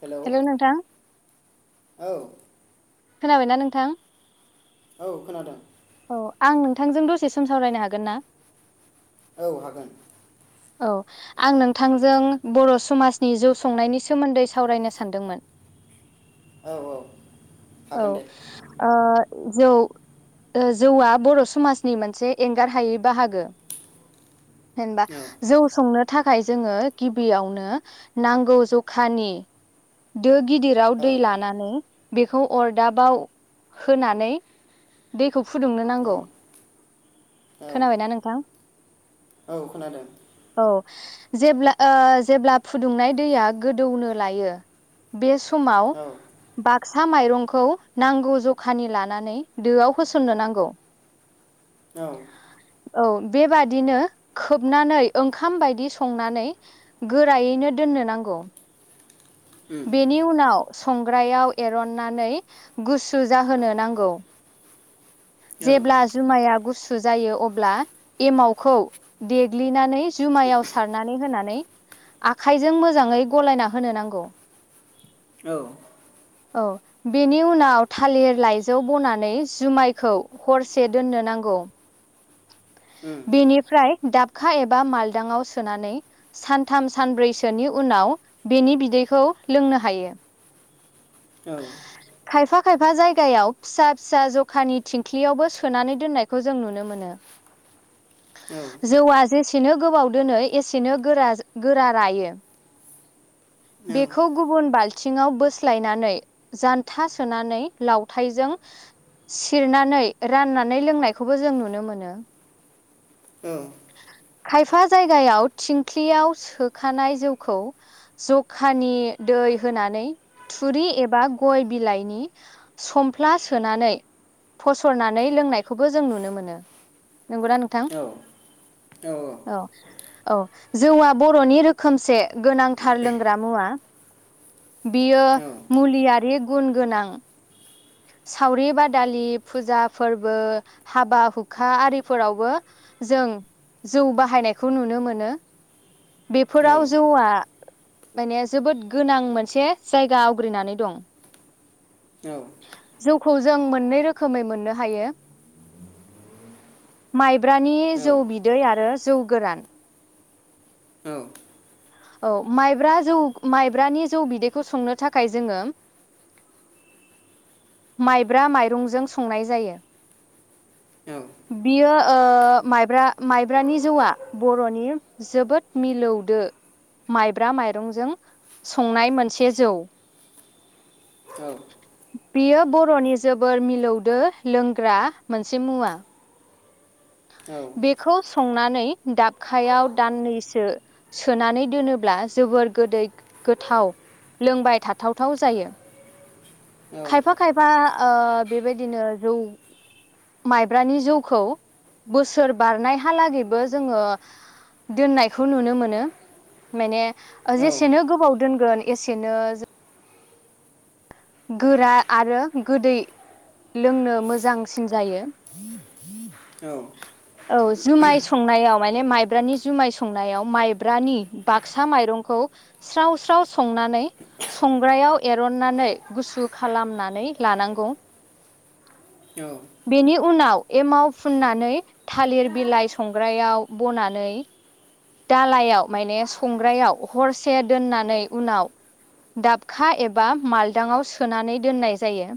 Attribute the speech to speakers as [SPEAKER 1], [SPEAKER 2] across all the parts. [SPEAKER 1] हेल' औ
[SPEAKER 2] हेलौ नोंथां खोनाबायना नोंथां
[SPEAKER 1] औ खोनादों
[SPEAKER 2] औ आं नोंथांजों दसे सम सावरायनो हागोन ना
[SPEAKER 1] औ हागोन
[SPEAKER 2] औ आं नोंथांजों बर' समाजनि जौ संनायनि सोमोन्दै सावरायनो सानदोंमोन
[SPEAKER 1] औ औ
[SPEAKER 2] औ
[SPEAKER 1] हागोन दे
[SPEAKER 2] ओ जौ जौआ बर' समाजनि मोनसे एंगार हायै बाहागो जेनबा
[SPEAKER 1] औ
[SPEAKER 2] जौ संनो थाखाय जोङो गिबियावनो नांगौ जखानि दो गिदिराव
[SPEAKER 1] औ
[SPEAKER 2] दै लानानै बेखौ अरदाबाव होनानै खौ फुदुंनो
[SPEAKER 1] औ
[SPEAKER 2] नांगौ
[SPEAKER 1] औ
[SPEAKER 2] खोनाबायना नोंथां
[SPEAKER 1] औ खोनादों
[SPEAKER 2] औ जे फुदुंनाय दैया गोदौनो लायो बे समाव
[SPEAKER 1] औ
[SPEAKER 2] बाक्सा माइरंखौ नांगौ जखानि लानानै दोआव फोसोमनो नांगौ
[SPEAKER 1] औ
[SPEAKER 2] औ बेबादिनो खोबनानै ओंखाम बायदि संनानै गोरायैनो दोन दोननो नांगौ
[SPEAKER 1] उम
[SPEAKER 2] बेनि उनाव संग्रायाव एरननानै गुसु जाहोनो नांगौ
[SPEAKER 1] औ
[SPEAKER 2] जेबब्ला जुमाइ या गुसु जायो अब्ला एमावखौ देग्लिनानै जुमायाव सारनानै होनानै आखाइजों मोजाङै गलायना होनो नांगौ
[SPEAKER 1] औ
[SPEAKER 2] औ बेनि उनाव थालिर लाइजौ बनानै जुमाय खौ हरसे दोननो नांगौ
[SPEAKER 1] उम
[SPEAKER 2] बेनिफ्राय दाबखा एबा मालदाङाव सोनानै सानथाम सानब्रैसोनि उनाव बेनि बिदै बेखौ लोंनो हायो
[SPEAKER 1] औ
[SPEAKER 2] खायफा खायफा जायगायाव फिसा फिसा जखानि थिंख्लियावबो सोनानै दोननायखौ जों नुनो मोनो
[SPEAKER 1] औ औ
[SPEAKER 2] जौआ जे एसेनो गोबाव दोनो एसेनो गोरा गोरा रायो
[SPEAKER 1] औ औ
[SPEAKER 2] बेखौ गुबुन बाल थिङाव बोस्लायनानै जान्था सोनानै लावथायजों खिरनानै राननानै लोंनायखौबो जों नुनो मोनो
[SPEAKER 1] औ
[SPEAKER 2] खायफा जायगायाव थिंख्लियाव सोखानाय जौखौ जखानि दै होनानै थुरि एबा गय बिलाइनि सममफ्ला सोनानै फसरनानै लोंनायखौबो जों नुनो मोनो नंगौना नोंथां औ औ जौआ बर'नि रोखोमसे गोनांथार लोंग्रा मुवा। बियो मुलियारि गुन गोनां। सावरि बादालि फुजा फोरबो हाबा हुखा आरिफोरावबो जों जौ बाहायनायखौ नुनो मोनो बेफोराव जौआ माने जोबोद गोनां मोनसे जायगा आवग्रिनानै दं।
[SPEAKER 1] औ
[SPEAKER 2] जौखौ जों मोननै रोखोमै मोननो हायो माइ ब्रानि जौ बिदै आरो जौ गोरान
[SPEAKER 1] औ
[SPEAKER 2] औ माइब्रा जौ माइब्रानि जौ बिदैखौ संनो थाखाय जोङो [inaudible] माइब्रा माइरंजों संनाय जायो बियो ओ माइब्रा माइब्रानि जौआ बर'नि जोबोद मिलौदो माइब्रा माइरंजों संनाय मोनसे जौ।
[SPEAKER 1] औ
[SPEAKER 2] बियो बर'नि जोबोर मिलौदो लोंग्रा मोनसे मुवा। बेखौ संनानै दाबखायाव दान्नैसो सोनानै दोनोब्ला जोबोर गोदै गोथाव लोंबाय थाथावथाव जायो खायफा खायफा ओ बेबायदिनो जौ माइब्रानि जौखौ बोसोर बारनायहालागैबो जोङो दोननायखौ नुनो मोनो। माने जेसेनो गोबाव दोनगोन एसेनो गोरा आरो गोदै लोंनो मोजांसिन जायो
[SPEAKER 1] औ
[SPEAKER 2] औ जुमाय संनायाव माने मायब्रानि जुमाय संनायाव मायब्रानि बाकसा माइरंखौ स्राव स्राव संना नानै संग्रायाव एरननानै गुसु खालामनानै लानांगौ।
[SPEAKER 1] औ
[SPEAKER 2] बेनि उनाव एमाव फुननानै थालिर बिलाइ संग्रायाव बनानै दालायाव माने संग्रायाव हरसे दोननानै उनाव दाबखा एबा माल दांआव सोनानै दोननाय जायो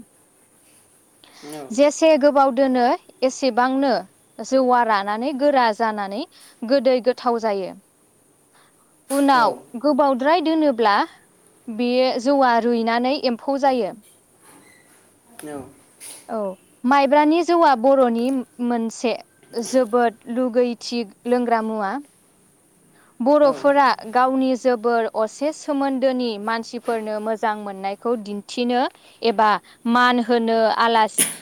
[SPEAKER 2] जेसे गोबाव दोनो एसेबांनो जौवा रानानै गोरा जानानै गोदै गोथाव जायो। यो। उनाव गोबावद्राय दोनोब्ला बे जौआ रुइनानै एम्फौ जायो
[SPEAKER 1] औ
[SPEAKER 2] औ माइब्रानि जौआ बर'नि मोनसे जोबोद लुगैथि लोंग्रा मु मुवा बर'फोरा गावनि जोबोर असे सोमोन्दोनि मानसिफोरनो मोजां मोननायखौ दिन्थिनो एबा मान होनो आलासि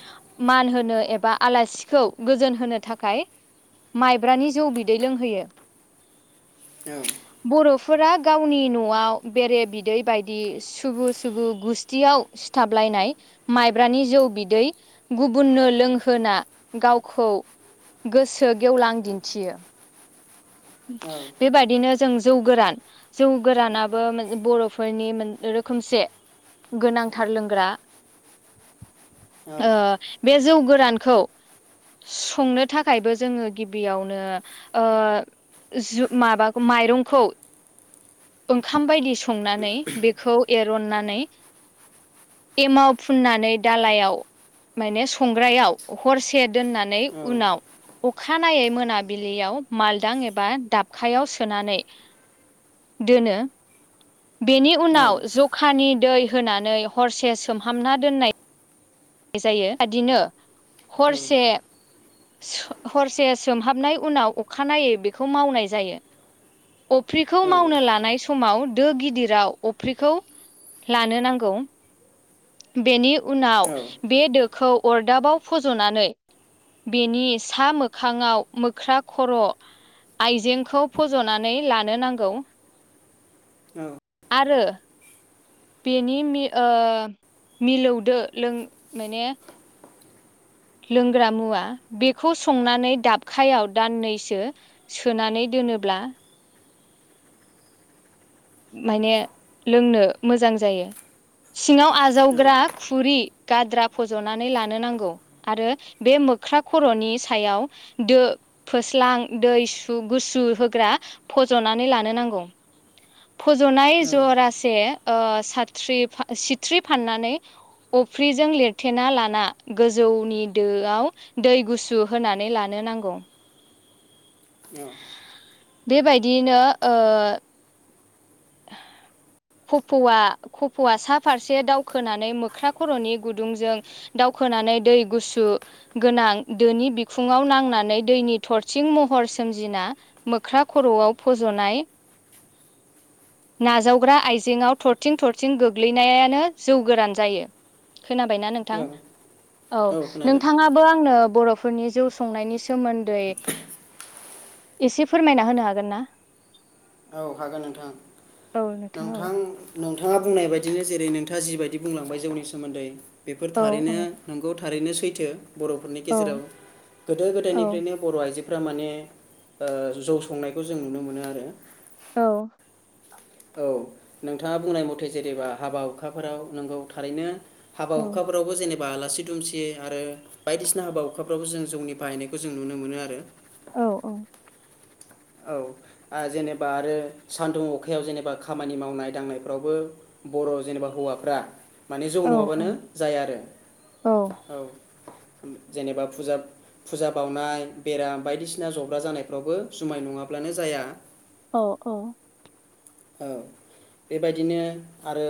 [SPEAKER 2] मान होनो एबा आलासिखौ गोजोन होनो थाखाय माइब्रानि जौ बिदै लोंहोयो।
[SPEAKER 1] औ
[SPEAKER 2] फोरा गावनि न'आव बेरे बिदै बायदि सुबु सुबु गुस्थियाव सिथाबलाय नाय माइब्रानि जौ बिदै गुबुननो लोंहोना गावखौ गोसो गेवलां दिन्थियो। बेबायदिनो जों जौ गोरान जौ गोरानाबो मोन बर'फोरनि मोन रोखोमसे गोनांथार लोंग्रा ओ बे जौ गोरानखौ संनो थाखायबो जोङो गिबियावनो ओ जो माबा माइरंखौ ओंखाम बायदि सुंनानै बेखौ एरननानै एमाव फुननानै दालायाव माने संग्रायाव हरसे दोननानै उनाव अखानायनायै मोनाबिलियाव मालदां ए बा दाबखायाव सोनानै दोनो बेनि उनाव जखानि दै होनानै हरसे सोमहामना दोननाय जायो बिदिनो हरसे हरसे सोमहाबनाय उनाव अखानायै बेखौ मावनाय जायो अफ्रिखौ
[SPEAKER 1] औ औ औ
[SPEAKER 2] मावनो लानाय समाव दो गिदिराव अफ्रिखौ लानो नांगौ बेनि
[SPEAKER 1] औ
[SPEAKER 2] उनाव बे दोखौ अरदाबाव फज'नानै बेनि सा मोखाङाव मोख्रा खर' आइजेंखौ फज'नानै लानो नांगौ
[SPEAKER 1] औ
[SPEAKER 2] आरो बेनि मि ओ मिलौदो लों माने लोंग्रा मुवा बेखौ संनानै दाबखायाव दाननैसो सोनानै दोनोब्ला माने लोंनो मोजां जायो सिङाव आजावग्रा खुरि गाद्रा फज'नानै लानो नांगौ आरो बे मोख्रा खर'नि सायाव दो फोस्लां दै सु गुसु होग्रा फज'नानै लानो नांगौ फोज'नाय
[SPEAKER 1] औ
[SPEAKER 2] जरासे सथ्रि सिथ्रि फाननानै अफ्रिजों लिरथेना लाना गोजौनि दोआव दै गुसु होनानै लानो नांगौ
[SPEAKER 1] [unintelligible]
[SPEAKER 2] बेबायदियैनो ओ कफ'आ कफ'आ सा फारसे दावखोनानै मोख्रा खर'नि गुदुंजों दाव- होनानै दै गुसु गोनां दोनि बिखुङाव नांनानै दैनि थरसिं महर सोमजिना मोख्रा खर'आव फज'नाय नाजाव हग्रा आइजेंआव थरथिं थरथिं गोग्लैनायानो जौ गोरान जायो खोनाबायना नोंथां
[SPEAKER 1] औ
[SPEAKER 2] औ नोंथाङाबो आंनो बर'फोरनि जौ संनायनि सोमोन्दै एसे फोरमायना होनो हागोन ना
[SPEAKER 1] औ हागोन नोंथां
[SPEAKER 2] औ औ
[SPEAKER 1] नोंथां नोंथाङा बुं नाय बायदिनो जेरै नोंथाङा जिबायदि बुंलांबाय जौनि सोमोन्दै बेफोर
[SPEAKER 2] औ
[SPEAKER 1] थारैनो
[SPEAKER 2] औ
[SPEAKER 1] नोंगौ थारैनो सैथो बर'फोरनि गेजेराव गोदो
[SPEAKER 2] औ
[SPEAKER 1] गोदायनिफ्रायनो बर' आइजो -फ्रा माने जौ संनायखौ जों नुनो मोनो आरो
[SPEAKER 2] औ
[SPEAKER 1] औ नोंथाङा बुंनाय मथे जेनेबा हाबा हुखाफोराव नोंगौ थारैनो हाबा हुखाफोरावबो जेने बा आलासि दुमसि आरो बायदिसिना हाबा हुखाफ्रावबो जों जौनि बाहायनायखौ जों नुनो मोनो आरो
[SPEAKER 2] औ
[SPEAKER 1] औ आरो जेनेबा आरो सान्दुं अखायाव जेनेबा खामानि मावनाय दांनायफ्रावबो बर' जेनेबा हौवाफ्रा माने जौ
[SPEAKER 2] औ
[SPEAKER 1] नङाबानो जाया आरो औ जेनेबा फुजा फुजा बावनाय बेराम बायदिसिना जब्रा जानायफ्रावबो जुमाय नङाब्लानो जाया
[SPEAKER 2] औ औ
[SPEAKER 1] औ बेबायदिनो आरो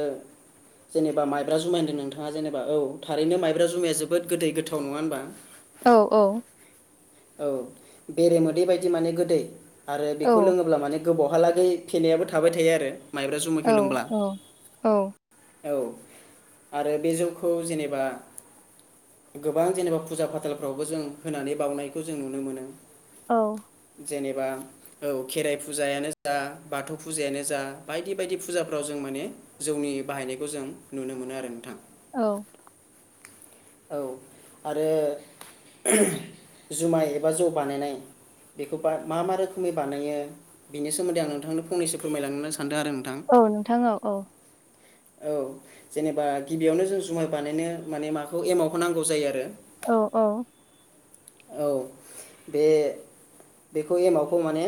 [SPEAKER 1] जेनेबा माइब्रा जुमाय होन्दों नोंथाङा जेनेबा औ थारैनो माइब्रा जुमाया जोबोद गोदै गोथाव नङा होनबा
[SPEAKER 2] औ औ
[SPEAKER 1] औ बेरे मोदै बायदि माने गोदै आरो
[SPEAKER 2] औ
[SPEAKER 1] बेखौ लोङोब्ला माने गोबावहालागै फेनायाबो थाबाय थायो आरो माइब्रा जुमा
[SPEAKER 2] औ
[SPEAKER 1] फोरलोंब्ला
[SPEAKER 2] औ
[SPEAKER 1] औ आरो बे जौखौ जेनेबा गोबां जेनेबा फुजा फाथालफ्रावबो जों होनानै बावउनायखौ जों नुनो मोनो
[SPEAKER 2] औ
[SPEAKER 1] जेनेबा औ खेराइ फुजायानो जा बाथौ फुजायानो जा बायदि बायदि फुजाफ्राव जों माने माने जौनि बाहायनायखौ जों नुनो मोनो आरो नोंथां।
[SPEAKER 2] औ
[SPEAKER 1] औ आरो जुमाय एबा जौ बानायनाय बेखौ बा मा मा रोखोमै बानायो बेनि सोमोन्दै आं नोंथांनो फंनैसो फोरमायलांनो होनना सान
[SPEAKER 2] औ नोंथां औ औ
[SPEAKER 1] औ जेनेबा गिबियावनो जों जुमाय बानायनो माने माखौ एमावखौ नांगौ जायो आरो
[SPEAKER 2] औ औ
[SPEAKER 1] औ
[SPEAKER 2] [inaudible]
[SPEAKER 1] बे बेखौ एमावखौ माने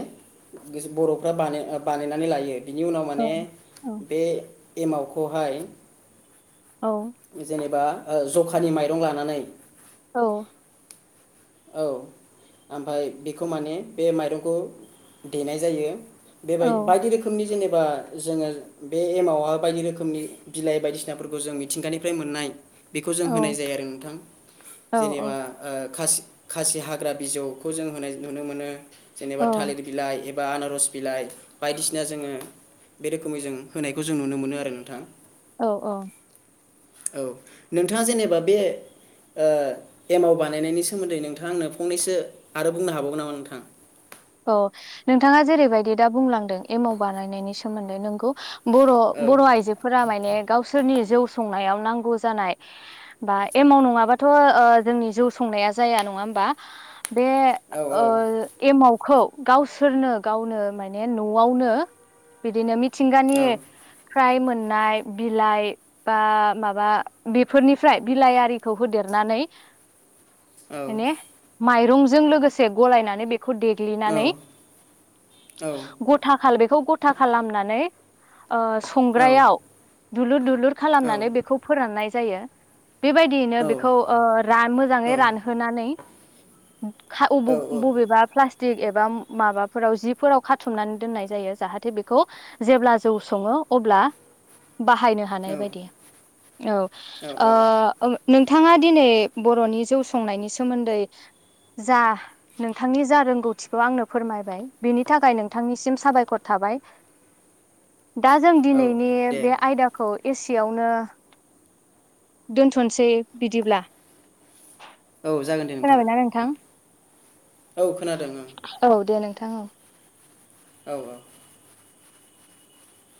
[SPEAKER 1] बर'फ्रा बानायनानै लायो बिनि उनाव
[SPEAKER 2] औ
[SPEAKER 1] माने
[SPEAKER 2] औ
[SPEAKER 1] बे एमावखौहाय
[SPEAKER 2] औ
[SPEAKER 1] जेनेबा ओ जखानि माइरं लानानै
[SPEAKER 2] औ।
[SPEAKER 1] औ ओमफाय बेखौ माने बे माइरंखौ देनाय जायो बेबाय बायदि रोखोमनि जेनेबा [inaudible] बा जोङो बे एमावहाय बायदि रोखोमनि बिलाइ बायदिसिनाफोरखौ जों मिथिंगानिफ्राय मोननाय बेखौ जों होनाय जायो आरो नोंथां जेनेबा ओ खासि खासि हाग्रा बिजौखौ जों होनाय नुनो मोनो
[SPEAKER 2] औ
[SPEAKER 1] जेनेबा थालिर बिलाइ एबा बा आनारस बिलाइ बायदिसिना जोङो बे रोखोमै जों होनायखौ जों नुनो मोनो आरो नोंथां
[SPEAKER 2] औ औ
[SPEAKER 1] औ नोंथाङा जेनेबा बे ओ एमाव बानायनायनि सोमोन्दै नोंथां नोंथांआ आंनो फंनैसो आरो बुंनो हाबावगोन नामा नोंथां
[SPEAKER 2] औ नोंथाङा जेरैबायदि दा बुंलांदों एमाव बानायनायनि सोमोन्दै नोंगौ बर'
[SPEAKER 1] औ
[SPEAKER 2] बर' आइजोफोरा माने गावसोरनि जौ संनायाव। नांगौ जानाय बा एमाव नङाबाथ ओ' जोंनि जौ संनाया जाया नङा होमबा बे
[SPEAKER 1] औ
[SPEAKER 2] ओ एमाव खौ गावसोरनो गावनो माने न'आवनो बिदिनो
[SPEAKER 1] औ
[SPEAKER 2] मिथिंगानिफ्राय्र मोन नाय बिलाइ बा माबा बेफोरनिफ्राय बिलाइ आरिखौ होदेरनानै
[SPEAKER 1] औ
[SPEAKER 2] माने माइरंजों लोगोसे गलायनानै बेखौ दे। ग्लिनानै
[SPEAKER 1] औ औ
[SPEAKER 2] गथ खा बेखौ गथा खालामनानै [inaudible] ओ संग्रायाव दुलुर दुलुर खालामनानै बेखौ फोराननाय जायो। बेबायदियैनो बेखौ ओ मोजाङै [inaudible] रानहोनानै। बबेबा प्ला [inaudible] फ्लासस्टिक एबा माबाफोराव जिफोराव खाथुमनानै दोननाय जायो जाहाथे बेखौ जेब्ला जौ सङो अब्ला बाहायनो हानाय बायदि औ
[SPEAKER 1] औ
[SPEAKER 2] [inaudible] बिथाङा दिनै बर'नि जौ संनायनि सोमोन्दै जा नोंथांनि जा रोंगौथि खौ आंनो फोरमायबाय बिनि थाखाय नोंथांनिसिम साबायखर थाबाय दा जों
[SPEAKER 1] औ
[SPEAKER 2] दिनैनि
[SPEAKER 1] दे
[SPEAKER 2] बे आयदाखौ एसेयावनो दोनथ'नोसै बिदिब्ला।
[SPEAKER 1] औ जागोन दे नोंथां औ खोनादों ओ।
[SPEAKER 2] थां औ।
[SPEAKER 1] औ औ।